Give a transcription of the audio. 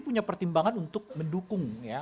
itu adalah pertimbangan untuk mendukung ya